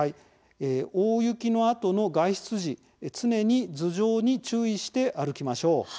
大雪のあとの外出時常に頭上に注意して歩きましょう。